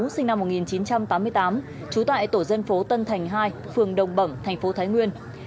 sinh năm một nghìn chín trăm tám mươi tám trú tại tổ dân phố tân thành hai phường đồng bẩm thành phố thái nguyên